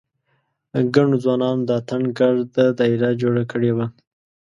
ګڼو ځوانانو د اتڼ ګرده داېره جوړه کړې وه.